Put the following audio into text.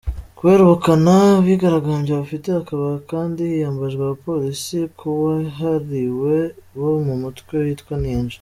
Kubera ubukana abigaragambya bafite hakaba kandi hiyambajwe abapolisi kabuhariwe bo mu mutwe witwa Ninja.